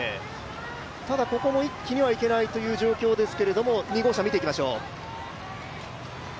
ただ、ここも一気にはいけないという状況ですけども、２号車を見ていきましょう。